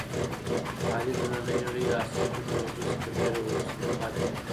علي د نننۍ نړۍ له عصري ټکنالوژۍ څخه ډېر وروسته پاتې دی.